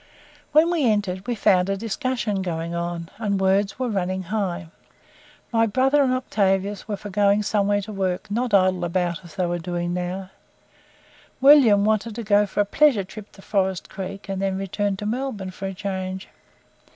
When we entered, we found a discussion going on, and words were running high. My brother and Octavius were for going somewhere to work, not idle about as they were doing now; William wanted to go for a "pleasure trip" to Forest Creek, and then return to Melbourne for a change.